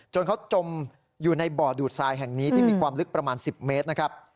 จนเขาจมอยู่ในบ่อดูดทรายแห่งนี้ที่มีความลึกประมาณ๑๐เมตรนะครับ